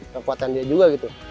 kekuatan dia juga gitu